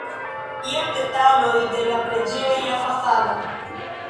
Jen detaloj de la preĝeja fasado.